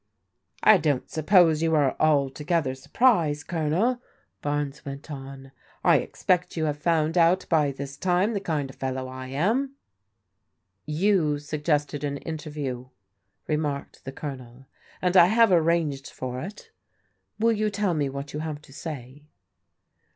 " I don't suppose you are altogether surprised, Colonel," Barnes went on. "I expect you have found out by this time the kind of fellow I am." " You suggested an interview," remarked the Colonel, " and I have arranged for it. Will you tell me what you have to say